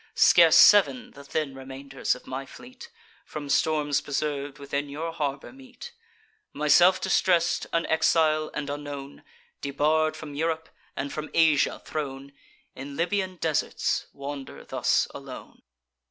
Scarce sev'n, the thin remainders of my fleet, From storms preserv'd, within your harbour meet. Myself distress'd, an exile, and unknown, Debarr'd from Europe, and from Asia thrown, In Libyan deserts wander thus alone."